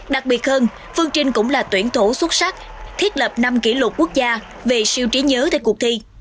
đặc biệt hơn phương trinh cũng là tuyển thủ xuất sắc thiết lập năm kỷ lục quốc gia về siêu trí nhớ tại cuộc thi